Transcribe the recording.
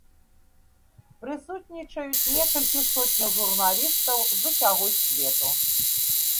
Прысутнічаюць некалькі сотняў журналістаў з усяго свету.